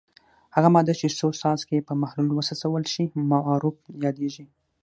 هغه ماده چې څو څاڅکي یې په محلول وڅڅول شي معرف یادیږي.